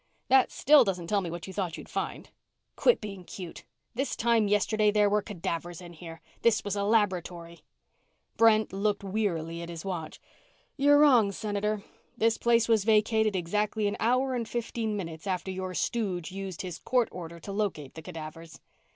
"That still doesn't tell me what you thought you'd find." "Quit being cute. This time yesterday there were cadavers in here. This was a laboratory!" Brent looked wearily at his watch. "You're wrong, Senator. This place was vacated exactly an hour and fifteen minutes after your stooge used his court order to locate the cadavers."